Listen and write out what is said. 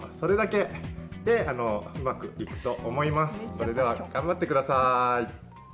それでは頑張ってください。